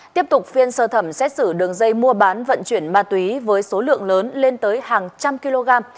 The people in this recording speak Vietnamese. tiếp tục phiên sơ thẩm xét xử đường dây mua bán vận chuyển ma túy với số lượng lớn lên tới hàng trăm kg